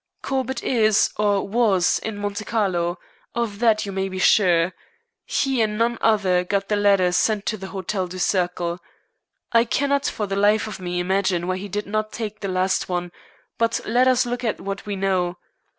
"Corbett is, or was, in Monte Carlo. Of that you may be sure. He, and none other, got the letters sent to the Hotel du Cercle. I cannot for the life of me imagine why he did not take the last one. But let us look at what we know.